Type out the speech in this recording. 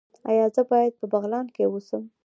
ایا زه باید په بغلان کې اوسم؟